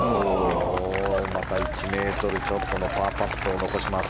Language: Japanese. また１ｍちょっとのパーパットを残します。